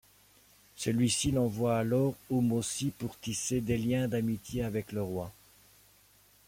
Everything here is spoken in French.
Celui-ci l'envoie alors au Mossi pour tisser des liens d'amitié avec le roi.